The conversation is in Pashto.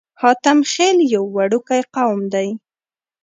حاتم خيل يو وړوکی قوم دی.